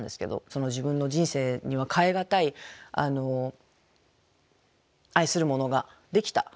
自分の人生には代え難い愛するものができた。